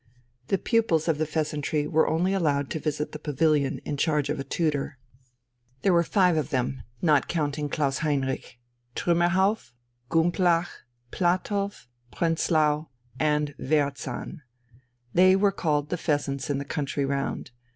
The pupils of the "Pheasantry" were only allowed to visit the pavilion in charge of a tutor. There were five of them, not counting Klaus Heinrich: Trümmerhauff, Gumplach, Platow, Prenzlau, and Wehrzahn. They were called "the Pheasants" in the country round.